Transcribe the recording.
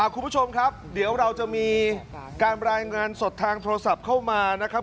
คุณผู้ชมครับเดี๋ยวเราจะมีการรายงานสดทางโทรศัพท์เข้ามานะครับ